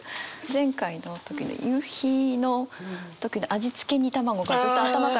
前回の時に夕日の時の「味付け煮卵」がずっと頭から離れなくて。